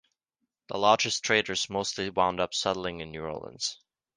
The largest traders mostly wound up settling in New Orleans.